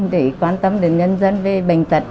để quan tâm đến nhân dân về bệnh tật